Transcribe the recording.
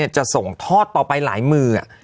จะส่งทอดต่อไปหลายมือ